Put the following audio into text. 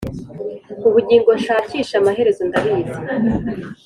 ubugingo nshakisha amaherezo ndabizi.